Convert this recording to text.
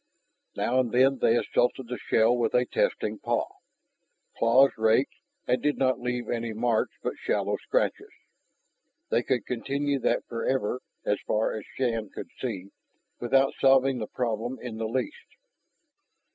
Now and then they assaulted the shell with a testing paw. Claws raked and did not leave any marks but shallow scratches. They could continue that forever, as far as Shann could see, without solving the problem in the least.